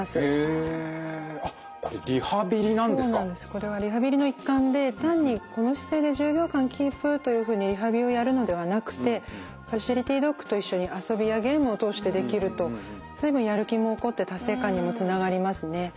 これはリハビリの一環で単にこの姿勢で１０秒間キープというふうにリハビリをやるのではなくてファシリティドッグと一緒に遊びやゲームを通してできると随分やる気も起こって達成感にもつながりますね。